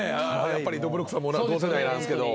やっぱりどぶろっくさんも同世代なんですけど。